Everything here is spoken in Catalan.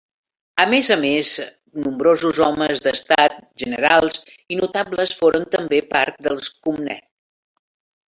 A més a més nombrosos homes d'estat, generals i notables foren també part dels Comnè.